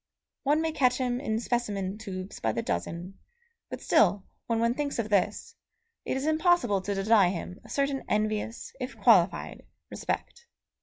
One may catch him in specimen tubes by the dozen; but still, when one thinks of this, it is impossible to deny him a certain envious, if qualified, respect.